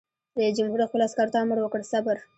رئیس جمهور خپلو عسکرو ته امر وکړ؛ صبر!